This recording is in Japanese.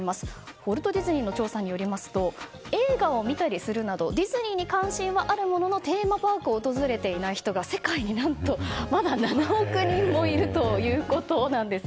ウォルト・ディズニーの調査によりますと映画を見たりするなどディズニーに関心はあるもののテーマパークを訪れていない人が世界に何とまだ７億人もいるということです。